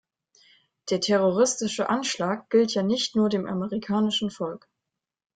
Der terroristische Anschlag gilt ja nicht nur dem amerikanischen Volk.